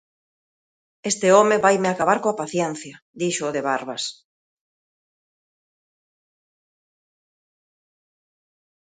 _Este home vaime acabar coa paciencia _dixo o de barbas.